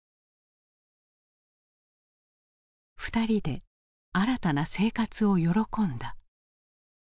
２人で新たな生活を喜んだ。